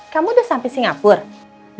kamu udah sampe singapura